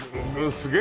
すげえ